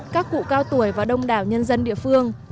các cụ cao tuổi và đông đảo nhân dân địa phương